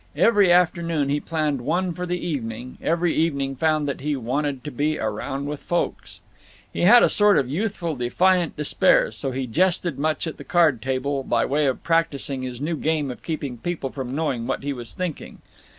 Every afternoon he planned one for the evening; every evening found that he "wanted to be around with folks." He had a sort of youthful defiant despair, so he jested much at the card table, by way of practising his new game of keeping people from knowing what he was thinking.